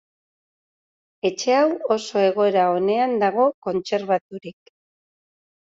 Etxe hau oso egoera onean dago kontserbaturik.